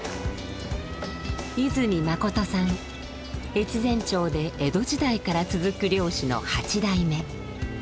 越前町で江戸時代から続く漁師の８代目。